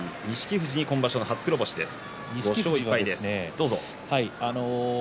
富士は今場所、初黒星です。